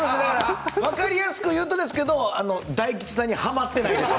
分かりやすく言うと大吉さんにはまってないんです。